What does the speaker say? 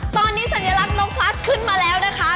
ตอนนี้สัญลักษณ์น้องพลัสขึ้นมาแล้วนะคะ